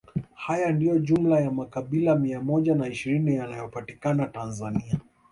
Haya ndiyo jumla ya makabila mia moja na ishirini yanayopatikana Tanzania